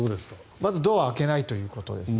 まずドアを開けないということですね。